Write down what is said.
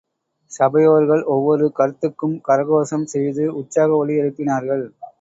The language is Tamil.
சபையோர்கள் ஒவ்வொரு கருத்துக்கும் கரகோஷம் செய்து உற்சாக ஒலி எழுப்பினார்கள்.